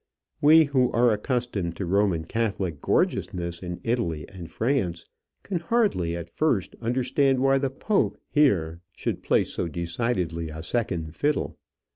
We who are accustomed to Roman Catholic gorgeousness in Italy and France can hardly at first understand why the Pope here should playso decidedly a second fiddle.